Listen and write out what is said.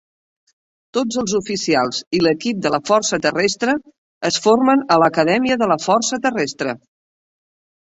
Tots els oficials i l'equip de la Força Terrestre es formen a l'Acadèmia de la Força Terrestre.